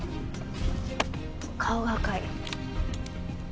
顔が赤い。